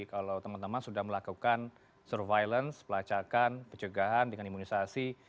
kalau teman teman sudah melakukan surveillance pelacakan pencegahan dengan imunisasi